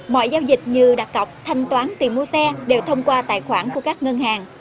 mọi giao dịch như đặt cọc thanh toán tiền mua xe đều thông qua tài khoản của các ngân hàng